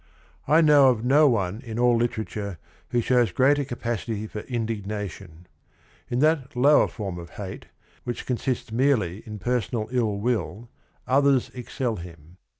I know of no one in all literature who shows greater capacity for indignation. In that lower form of hate which consists merely in per sonal ill will, others excel him.